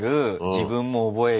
自分も覚える。